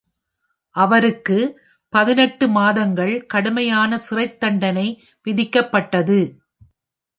அவருக்கு பதினெட்டு மாதங்கள் கடுமையான சிறைத்தண்டனை விதிக்கப்பட்டது.